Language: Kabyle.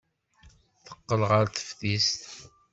Teqqel ɣer teftist.